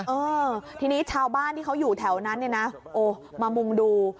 เออทีนี้ชาวบ้านที่เขาอยู่แถวนั้นเนี่ยนะโอ้มามุ่งดู